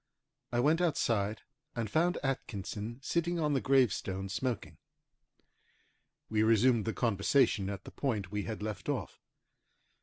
I went outside, and found Atkinson sitting on the gravestone smoking. We resumed the conversation at the point we had left off.